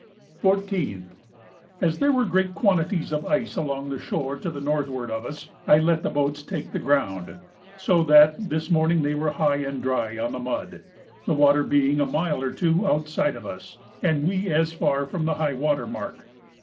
14th. As there were great quantities of ice along the shore to the northward of us, I let the boats take the ground, so that this morning they were high and dry on the mud, the water being a mile or two outside of us, and we as far from the high water mark.